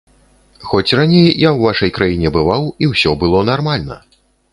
Хоць раней я ў вашай краіне бываў і ўсё было нармальна.